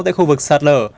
tại khu vực sạt lở